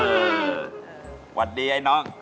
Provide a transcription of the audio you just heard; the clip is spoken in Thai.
สวัสดีไอ้น้อง